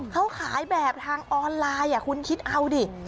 เขาขายแบบทางออนไลน์คุณคิดเอาดิ